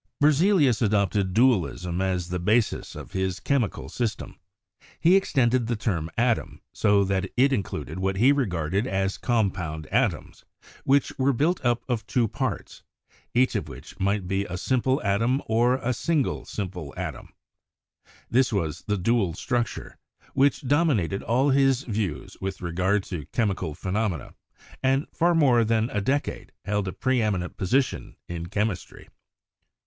Berzelius adopted dualism as the basis of his chemical system. He extended the term atom so that it included what he regarded as compound atoms, which were built up of two parts, each of which might be a simple atom or several atoms, in which each of the two parts acted as a single simple atom. This was the dual structure, which dominated all of his views with regard to chemical phe nomena, and for more than a decade held a preeminent position in chemistry.